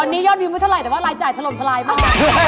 วันนี้ยอดวิวไม่เท่าไหร่แต่ว่ารายจ่ายถล่มทลายมาก